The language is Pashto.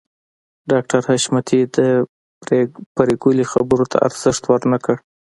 ډاکټر حشمتي د پريګلې خبرو ته ارزښت ورنکړ